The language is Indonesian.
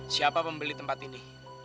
siapa pembeli tempat ini